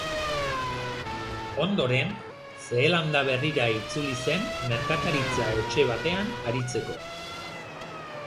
Ondoren, Zeelanda Berrira itzuli zen merkataritza-etxe batean aritzeko.